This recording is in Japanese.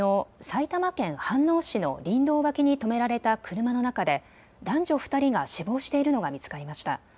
埼玉県飯能市の林道脇に止められた車の中で男女２人が死亡しているのが見つかりました。